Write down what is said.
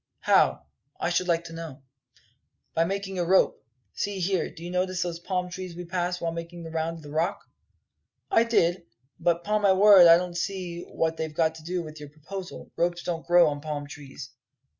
"How, I should like to know?" "By making a rope. See here, did you notice those palm trees we passed while making the round of the Rock?" "I did; but 'pon my word I don't see what they've got to do with your proposal. Ropes don't grow on palm trees."